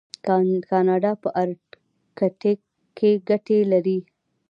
کاناډا په ارکټیک کې ګټې لري.